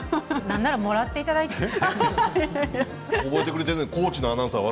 なんならもらっていただいても。